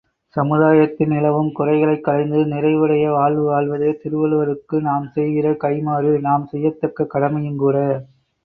சமுதாயத்தில் நிலவும் குறைகளைக் களைந்து நிறைவுடைய வாழ்வு வாழ்வதே திருவள்ளுவருக்கு நாம் செய்கிற கைம்மாறு, நாம் செய்யத்தக்க கடமையுங்கூட.